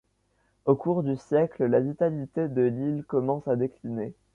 Au cours du siècle, la vitalité de l'île commence à décliner.